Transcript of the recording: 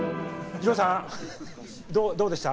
じろうさんどうでした？